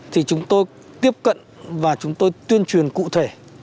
thì chúng tôi tiếp cận và chúng tôi tuyên truyền cụ thể